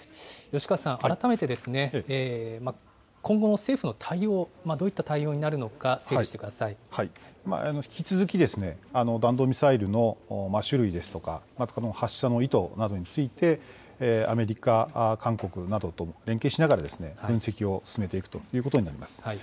吉川さん、改めて、今後の政府の対応、どういった対応になるのか、引き続き弾道ミサイルの種類ですとか、発射の意図などについて、アメリカ、韓国などと連携しながら分析を進めていくということになります。